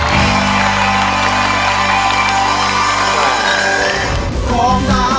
ว่าหลวงปู่ทวดวัดช่างให้